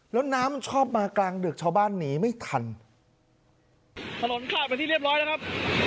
แล้วน้ำมันชอบมากลางดึกชาวบ้านหนีไม่ทันถนนขาดไปที่เรียบร้อยแล้วครับ